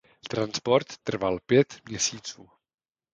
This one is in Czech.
Transport trval pět měsíců.